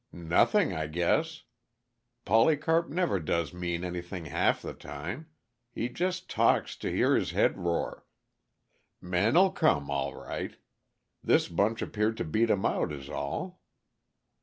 "Nothing, I guess, Polycarp never does mean anything half the time; he just talks to hear his head roar. Man'll come, all right. This bunch happened to beat him out, is all."